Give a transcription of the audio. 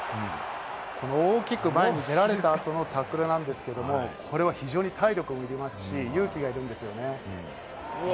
大きく前に出られた後のタックルなんですけれど、これは非常に体力もいりますし、勇気がいるんですよね。